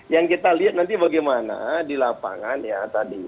yang kita lihat nanti bagaimana di lapangan ya tadi